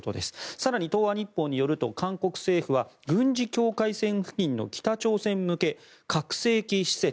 更に東亜日報によると韓国政府は軍事境界線付近の北朝鮮向け拡声器施設